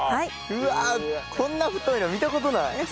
うわっこんな太いの見た事ない！